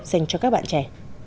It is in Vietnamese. dành cho các bạn trẻ